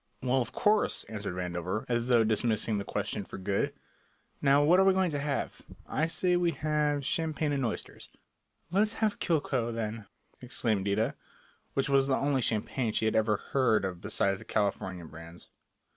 "Well, of course," answered Vandover, as though dismissing the question for good. "Now, what are we going to have? I say we have champagne and oysters." "Let's have Cliquot, then," exclaimed Ida, which was the only champagne she had ever heard of besides the California brands.